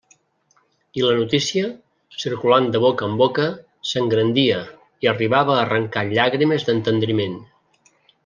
I la notícia, circulant de boca en boca, s'engrandia, i arribava a arrancar llàgrimes d'entendriment.